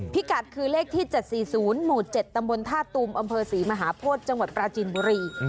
พิกัดคือเลขที่๗๔๐หมู่๗ตำบลท่าตูมอำเภอศรีมหาโพธิจังหวัดปราจินบุรี